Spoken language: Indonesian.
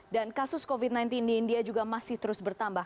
dan kasus covid sembilan belas di india juga masih terus bertambah